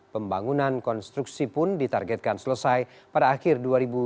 pembangunan konstruksi pun ditargetkan selesai pada akhir dua ribu dua puluh